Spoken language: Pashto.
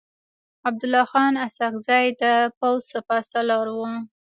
عبدالله خان اسحق زی د پوځ سپه سالار و.